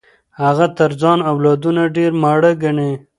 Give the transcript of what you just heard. هغه تر ځان اولادونه ډېر ماړه ګڼي.